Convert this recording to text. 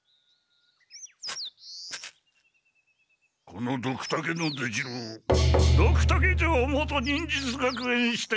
このドクタケの出城をドクタケ城元忍術学園支店と名づけよう！